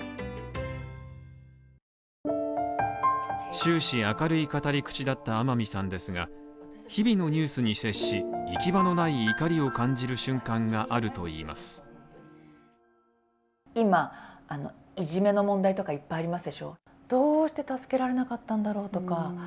終始明るい語り口だった天海さんですが、日々のニュースに接し、行き場のない怒りを感じる瞬間があるといいます。